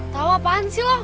tahu apaan sih loh